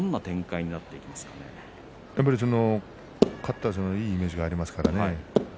やはり勝ったいいイメージがありますからね。